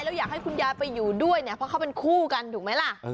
แล้วอยากให้คุณยายไปอยู่ด้วยเนี่ยเพราะเขาเป็นคู่กันถูกไหมล่ะ